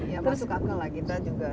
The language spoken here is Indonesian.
ya masuk akal lah kita juga